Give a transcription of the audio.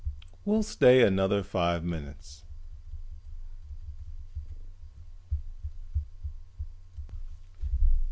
"We'll stay another five minutes."